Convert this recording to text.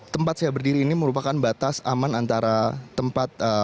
tempat saya berdiri ini merupakan batas aman antara tempat